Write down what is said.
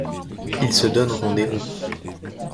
Ils se donnent rendez-vous.